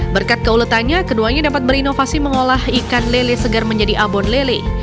berkat keuletannya keduanya dapat berinovasi mengolah ikan lele segar menjadi abon lele